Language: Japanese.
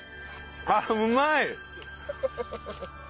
あっうまい！